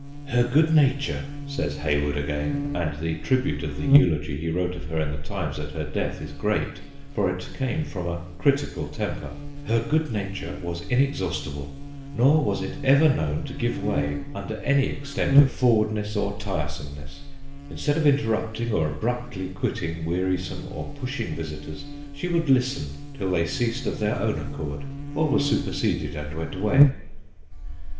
'Her good nature/ says Hay ward again and the tribute of the eulogy he wrote of her in the Times at her death is great, for it came from a critical temper ' her good nature was inexhaustible, nor was it ever known to give way under any extent 134 THE GHOSTS OF PICCADILLY of forwardness or tiresomeness ... instead of interrupting or abruptly quitting weari some or pushing visitors, she would listen till they ceased of their own accord, or were superseded and went away.'